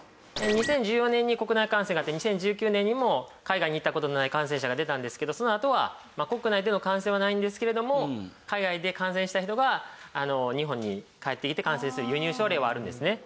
２０１４年に国内感染があって２０１９年にも海外に行った事のない感染者が出たんですけどそのあとは国内での感染はないんですけれども海外で感染した人が日本に帰ってきて感染する輸入症例はあるんですね。